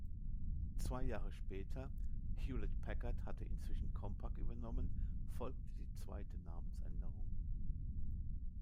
Zwei Jahre später, Hewlett-Packard hatte inzwischen Compaq übernommen, folgte die zweite Namensänderung.